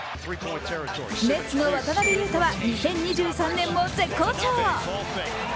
ネッツの渡邊雄太は２０２３年も絶好調。